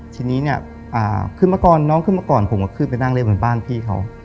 ทีนี้เนี่ยขึ้นมาก่อนน้องขึ้นมาก่อนผมก็ขึ้นไปนั่งเล่นบนบ้านพี่เขา